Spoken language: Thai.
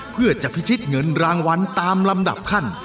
เพื่อจะพิชิตเงินรางวัลตามลำดับขั้น